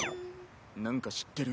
なんか知ってる？